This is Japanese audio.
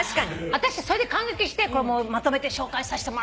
私それで感激してこれまとめて紹介させてもらおうと。